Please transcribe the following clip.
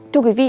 thưa quý vị